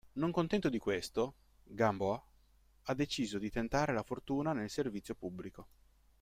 Non contento di questo, Gamboa ha deciso di tentare la fortuna nel servizio pubblico.